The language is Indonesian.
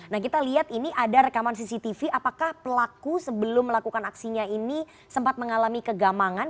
nah kita lihat ini ada rekaman cctv apakah pelaku sebelum melakukan aksinya ini sempat mengalami kegamangan